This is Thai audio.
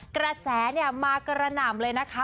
กระแสมากระหน่ำเลยนะคะ